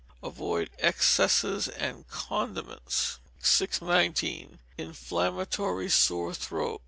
Avoid excesses, and condiments. 619. Inflammatory Sore Throat.